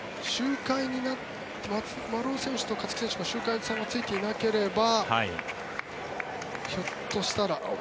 丸尾選手と勝木選手が周回差がついていなかったらひょっとしたら。